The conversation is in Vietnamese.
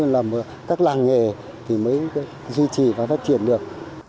làm các làng nghề thì mới duy trì và phát triển được